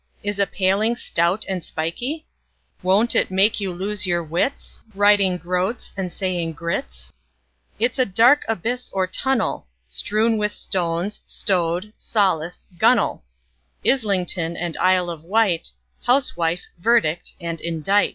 — Is a paling, stout and spikey; Won't it make you lose your wits, Writing "groats" and saying groats? It's a dark abyss or tunnel, Strewn with stones, like rowlock, gunwale, Islington and Isle of Wight, Housewife, verdict and indict!